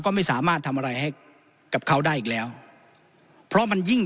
ก็ไม่สามารถทำอะไรให้กับเขาได้อีกแล้วเพราะมันยิ่ง